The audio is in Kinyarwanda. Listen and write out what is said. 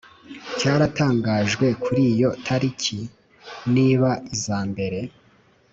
cyaratangajwe kuri iyo tariki niba iza mbere